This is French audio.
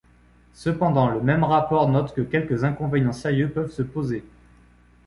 Cependant le même rapport note que quelques inconvénients sérieux peuvent se poser.